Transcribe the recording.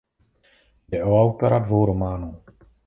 Jde o autora dvou románů.